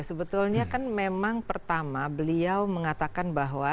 sebetulnya kan memang pertama beliau mengatakan bahwa